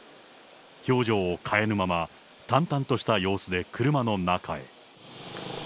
表情を変えぬまま、淡々とした様子で車の中へ。